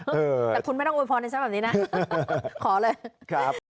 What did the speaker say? แต่คุณไม่ต้องอวยพรในช่องแบบนี้นะ